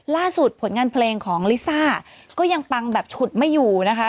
ผลงานเพลงของลิซ่าก็ยังปังแบบฉุดไม่อยู่นะคะ